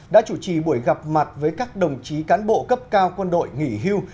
đã chủ trì buổi gặp mặt với các đồng chí cán bộ cấp cao quân đội nghỉ hưu